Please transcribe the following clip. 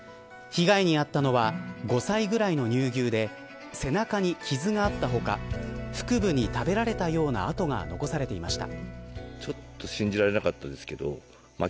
被害に遭ったのは５歳くらいの乳牛で背中に傷があった他腹部に食べられたようなあとが残されていました。